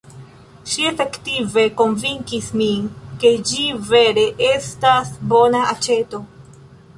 Ŝi efektive konvinkis min ke ĝi vere estas bona aĉeto.